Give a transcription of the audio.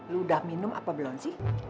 lu udah minum apa belum sih